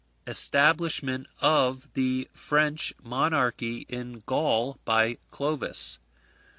Establishment of the French monarchy in Gaul by Clovis.